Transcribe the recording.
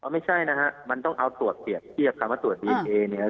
ไม่ใช่นะฮะมันต้องเอาตรวจเปรียบเทียบคำว่าตรวจดีเอนเอเนี่ย